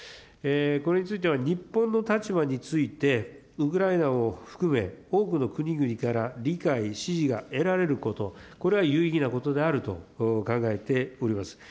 これについては日本の立場について、ウクライナを含め、多くの国々から理解、支持が得られること、これは有意義なことであると考えております。